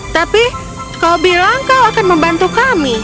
tapi kau bilang kau akan membantu kami